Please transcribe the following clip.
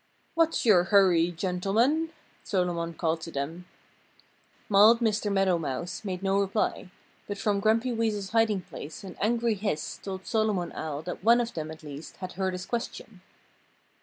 "What's your hurry, gentlemen?" Solomon called to them. Mild Mr. Meadow Mouse made no reply. But from Grumpy Weasel's hiding place an angry hiss told Solomon Owl that one of them, at least, had heard his question.